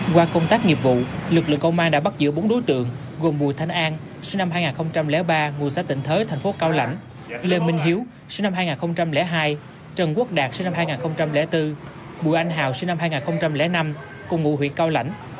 qua công tác nghiệp vụ lực lượng công an đã bắt giữ bốn đối tượng gồm bùi thanh an sinh năm hai nghìn ba ngụ xã tịnh thới thành phố cao lãnh lê minh hiếu sinh năm hai nghìn hai trần quốc đạt sinh năm hai nghìn bốn bùi anh hào sinh năm hai nghìn năm cùng ngụ huyện cao lãnh